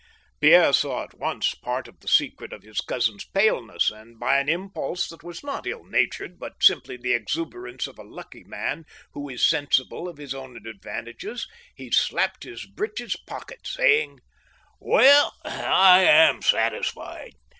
Pierre saw at once part of the secret of his cousin's paleness, and by an impulse that was not ill natured, but simply the exuberance of a lucky man who is sensible of his own advantages, he slapped his breeches pockets, saying :" Well I I am satisfied.